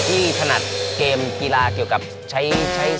พี่ถนัดเกมกีฬาเกี่ยวกับใช้สมอง